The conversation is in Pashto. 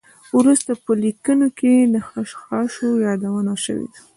وروسته په لیکنو کې د خشخاشو یادونه شوې ده.